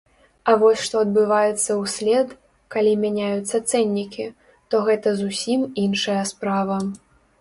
А вось што адбываецца ўслед, калі мяняюцца цэннікі, то гэта зусім іншая справа.